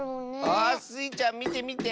あスイちゃんみてみて。